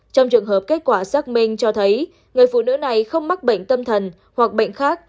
trong trường hợp kết quả xác minh cho thấy người phụ nữ này không mắc bệnh tâm thần hoặc bệnh khác